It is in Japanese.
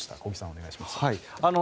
小木さんお願いします。